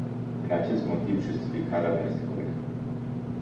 Din acest motiv, justificarea nu este corectă.